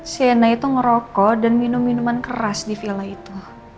siena itu ngerokok dan minum minuman keras di villa itu